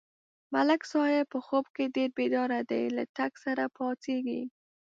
ملک صاحب په خوب کې ډېر بیداره دی، له ټک سره پا څېږي.